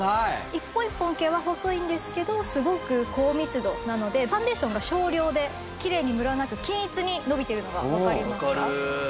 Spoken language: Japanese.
一本一本毛は細いんですけどすごく高密度なのでファンデーションが少量できれいにムラなく均一にのびてるのがわかりますか？